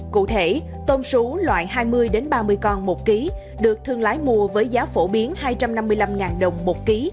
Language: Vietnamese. cụ thể tôm sú loại hai mươi ba mươi con một ký được thương lái mua với giá phổ biến hai trăm năm mươi năm đồng một ký